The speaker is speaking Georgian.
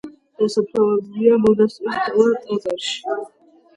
დასაფლავებულია მონასტრის მთავარ ტაძარში.